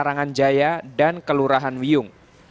karangan jaya dan kelurahan wiyung